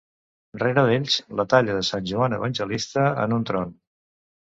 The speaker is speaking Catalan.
Rere d'ells la talla de Sant Joan Evangelista, en un tron.